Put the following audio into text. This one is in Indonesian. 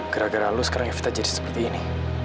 gara gara lu sekarang evita jadi seperti ini